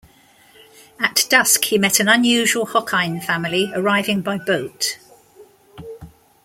At dusk, he met an unusual Hokkien family arriving by boat.